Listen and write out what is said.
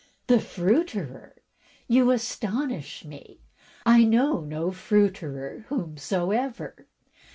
'* "The fruiterer! — you astonish me — I know no fruiterer whomso ever."